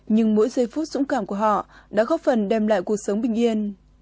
nhưng mỗi giây phút dũng cảm của họ đã khó khăn